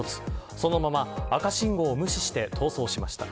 そのまま赤信号を無視して逃走しました。